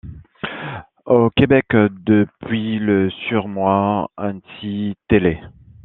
Au Québec, depuis le sur Moi & Cie Télé.